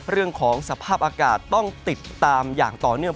เรื่องของสภาพอากาศต้องติดตามอย่างต่อเนื่อง